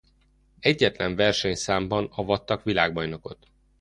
Egyetlen versenyszámban avattak világbajnokot.